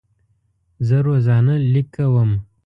زه روزانه لیک کوم.